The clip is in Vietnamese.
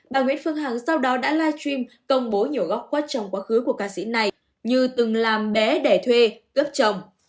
bà nguyễn phương hằng sau đó đã live stream công bố nhiều góc quất trong quá khứ của ca sĩ này như từng làm bé đẻ thuê cướp chồng